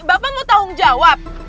bapak mau tahung jawab